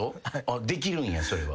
できるんやそれは。